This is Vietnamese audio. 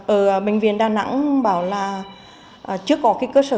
ở bệnh viện đà nẵng bảo là chưa có cơ sở